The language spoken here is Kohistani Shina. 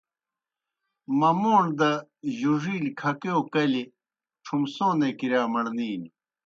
مَمَوݨ دہ جُڙِیلیْ کھکِیؤ کلیْ ڇُھمسونے کِرِیا مَرنِینیْ۔